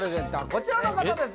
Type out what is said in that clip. こちらの方です